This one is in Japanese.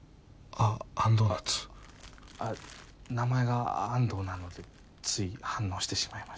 あっ名前が「安藤」なのでつい反応してしまいました。